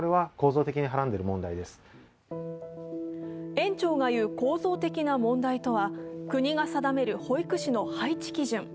園長が言う構造的な問題とは国が定める保育士の配置基準。